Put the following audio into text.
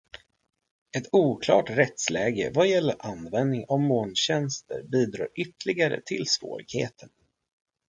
Ett oklart rättsläge vad gäller användning av molntjänster bidrar ytterligare till svårigheterna.